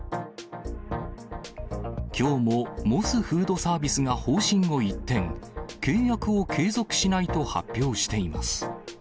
きょうもモスフードサービスが方針を一転、契約を継続しないと発表しています。